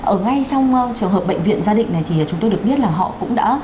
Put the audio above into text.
ở ngay trong trường hợp bệnh viện gia định này thì chúng tôi được biết là họ cũng đã